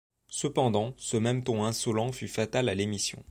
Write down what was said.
Cependant, ce même ton insolent fut fatal à l'émission.